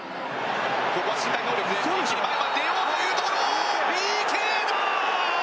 ここは身体能力で一気に前に出ようというところ。